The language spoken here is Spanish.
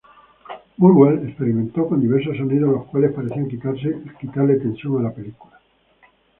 Burwell experimentó con diversos sonidos los cuales parecían quitarle tensión a la película.